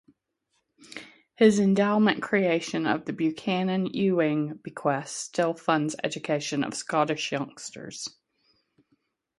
His endowment creation of the Buchanan Ewing Bequest still funds education of Scottish youngsters.